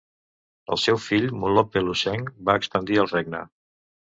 El seu fill "Mulopwe" Luseeng va expandir el regne.